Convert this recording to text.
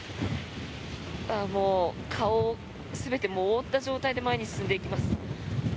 顔を全て覆った状態で前に進んでいきます。